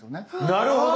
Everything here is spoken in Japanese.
なるほど。